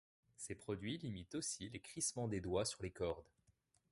Ces produits limitent aussi les crissements des doigts sur les cordes.